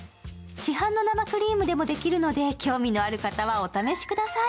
市販の生クリームでもできるので興味のある方はお試しください。